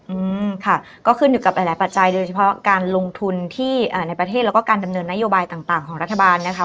อืมค่ะก็ขึ้นอยู่กับหลายหลายปัจจัยโดยเฉพาะการลงทุนที่อ่าในประเทศแล้วก็การดำเนินนโยบายต่างต่างของรัฐบาลนะคะ